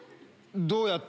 どうやって？